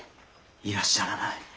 いらっしゃらない？